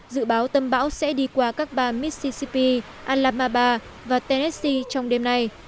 dự báo tâm bão sẽ đi qua các bang mississippi alabama và tennessee trong đêm nay